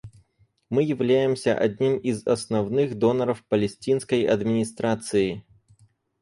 Мы являемся одним из основных доноров Палестинской администрации.